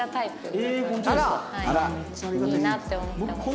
いいなって思ってます。